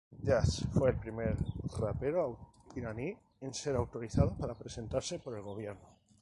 Yas fue el primer rapero iraní en ser autorizado para presentarse por el gobierno.